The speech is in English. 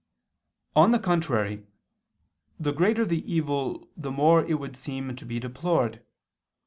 On the contrary, The greater the evil the more it would seem to be deplored.